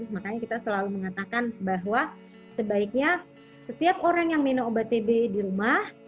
makanya kita selalu mengatakan bahwa sebaiknya setiap orang yang minum obat tb di rumah